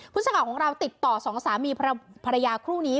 พูดสายของเราติดต่อ๒สามีภรรยาคู่นี้